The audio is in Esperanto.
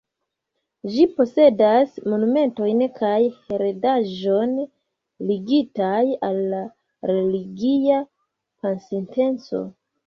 Ĝi posedas monumentojn kaj heredaĵon ligitaj al la religia pasinteco.